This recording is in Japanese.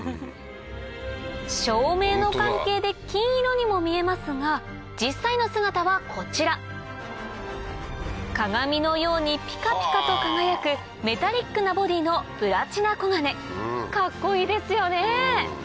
照明の関係で金色にも見えますが実際の姿はこちら鏡のようにピカピカと輝くメタリックなボディーのプラチナコガネカッコいいですよね！